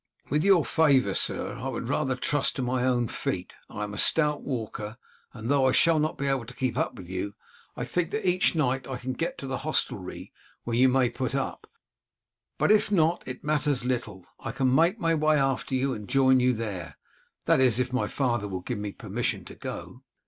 "With your favour, sir, I would rather trust to my own feet. I am a stout walker, and though I shall not be able to keep up with you, I think that each night I can get to the hostelrie where you may put up; but, if not, it matters little, I can make my way after you and join you there that is, if my father will give me permission to go."